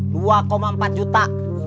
nah dua empat juta